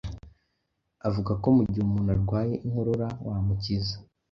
avuga ko mu gihe umuntu arwaye inkorora wamukiza